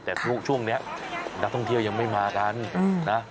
แต่ช่วงนี้นักท่องเที่ยวยังไม่มากันนะ